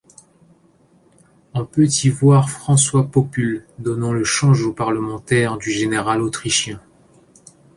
On peut y voir François Populle donnant le change au parlementaire du général autrichien.